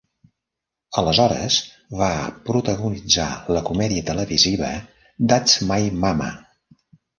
Aleshores va protagonitzar la comèdia televisiva "That's My Mama".